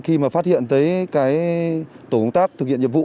khi mà phát hiện tới cái tổ công tác thực hiện nhiệm vụ